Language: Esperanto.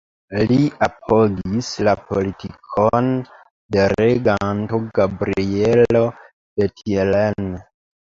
Li apogis la politikon de reganto Gabrielo Bethlen.